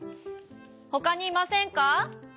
ほかにいませんか？